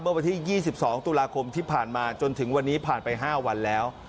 วันที่๒๒ตุลาคมที่ผ่านมาจนถึงวันนี้ผ่านไป๕วันแล้ว